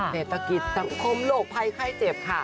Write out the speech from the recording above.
เศรษฐกิจสังคมโรคภัยไข้เจ็บค่ะ